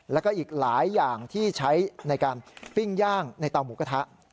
แล้วก็อีกหลายอย่างที่ใช้ในการปิ้งย่างในเตาหมูกระทะ